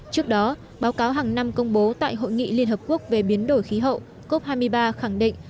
trước đó báo cáo hàng năm công bố tại hội nghị liên hợp quốc về biến đổi khí hậu cop hai mươi ba khẳng định